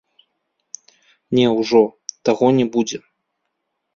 Не ўжо, таго не будзе.